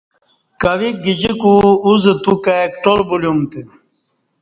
کویک گجیکو اوزہ تو کای کٹال بلیوم تہ